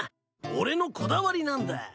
俺のこだわりなんだ。